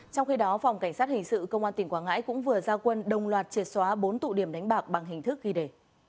trong khi đó phòng cảnh sát hình sự công an tỉnh quảng ngãi cũng vừa ra quân đồng loạt triệt xóa bốn tụ điểm đánh bạc bằng hình thức ghi đề